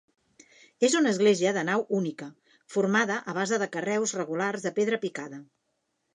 És una església de nau única, formada a base de carreus regulars de pedra picada.